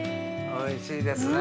おいしいですね。